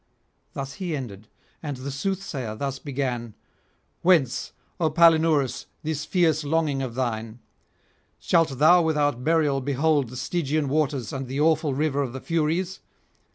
Thus he ended, and the soothsayer thus began: 'Whence, O Palinurus, this fierce longing of thine? Shalt thou without burial behold the Stygian waters and the awful river of the Furies?